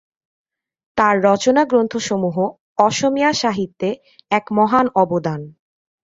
তাঁর রচনা গ্রন্থসমূহ অসমীয়া সাহিত্যে এক মহান অবদান।